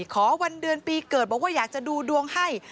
ขอวันเดือนปีเกิดบอกว่าอยากจะดูดวงให้